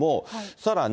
さらに。